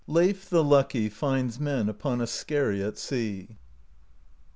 LEIF THC LUCKY FINDS MEN UPON A SKERRY AT SEA.